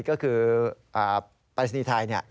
ก็คือปรายศนีย์ไทย